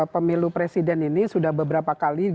pemilu presiden ini sudah beberapa kali